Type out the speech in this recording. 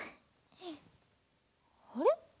あれ？